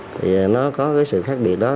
thì nó có cái sự khác biệt đó